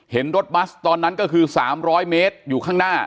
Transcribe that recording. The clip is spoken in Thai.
เห็นรถบัสตอนนั้นก็คือ๓๐๐เมตรอยู่ข้างหน้า